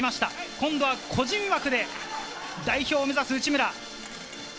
今度は個人枠で代表を目指す内村。